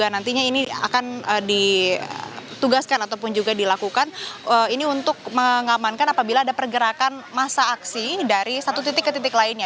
nantinya ini akan ditugaskan ataupun juga dilakukan ini untuk mengamankan apabila ada pergerakan masa aksi dari satu titik ke titik lainnya